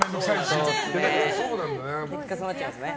結果、そうなっちゃいますね。